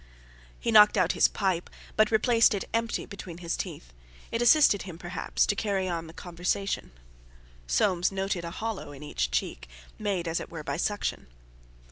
He knocked out his pipe, but replaced it empty between his teeth; it assisted him perhaps to carry on the conversation. Soames noted a hollow in each cheek, made as it were by suction.